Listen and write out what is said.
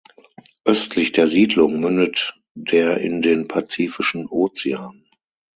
Östlich der Siedlung mündet der in den Pazifischen Ozean.